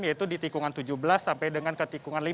yaitu di tikungan tujuh belas sampai dengan ketikungan lima